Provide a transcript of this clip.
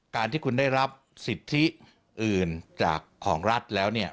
การที่คุณได้รับสิทธิอื่นจากของรัฐแล้วเนี่ย